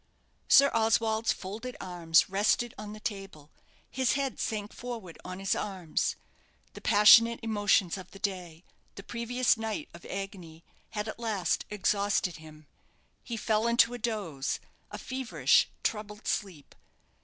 Sir Oswald's folded arms rested on the table; his head sank forward on his arms. The passionate emotions of the day, the previous night of agony, had at last exhausted him. He fell into a doze a feverish, troubled sleep.